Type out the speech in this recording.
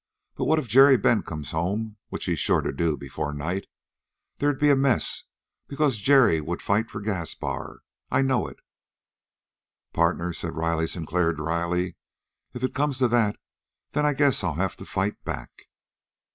But what if Jerry Bent comes home, which he's sure to do before night? There'd be a mess, because Jerry'd fight for Gaspar, I know!" "Partner," said Riley Sinclair dryly, "if it come to that, then I guess I'd have to fight back."